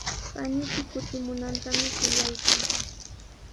Paniyki kutimunantami shuyaykaa.